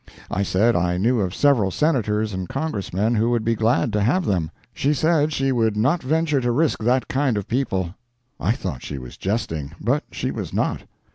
I said I knew of several Senators and Congressmen who would be glad to have them. She said she would not venture to risk that kind of people! I thought she was jesting, but she was not.